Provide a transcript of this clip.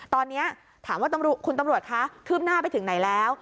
ตอนนี้ถามว่าคุณตำรวจคะคืบหน้าไปถึงไหนแล้ว